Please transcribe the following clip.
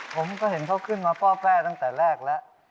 ผมก็เห็นเขาขึ้นมาฟ่อแร่ตั้งแต่แรกแล้ว